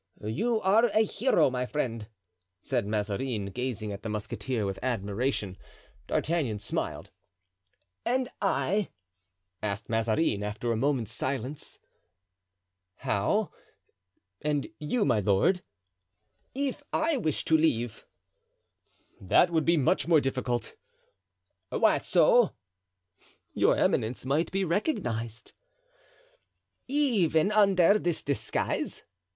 "You are a hero, my friend," said Mazarin, gazing at the musketeer with admiration. D'Artagnan smiled. "And I?" asked Mazarin, after a moment's silence. "How? and you, my lord?" "If I wish to leave?" "That would be much more difficult." "Why so?" "Your eminence might be recognized." "Even under this disguise?"